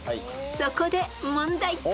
そこで問題］